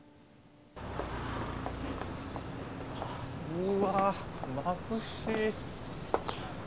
うわぁまぶしい。